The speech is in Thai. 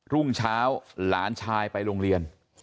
รุ่งเช้าหลานชายไปโรงเรียน